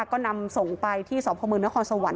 ก็นำส่งไปที่สอบพระมือนครสวรรค์